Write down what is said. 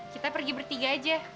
kita pergi bertiga aja